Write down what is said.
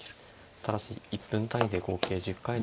ただし１分単位で合計１０回の。